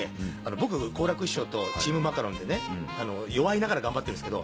僕好楽師匠とチームマカロンでね弱いながら頑張ってるんですけど。